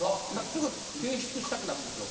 すぐ提出したくなるんですよ。